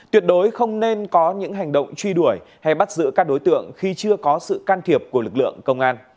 tuyệt đối không nên có những hành động truy đuổi hay bắt giữ các đối tượng khi chưa có sự can thiệp của lực lượng công an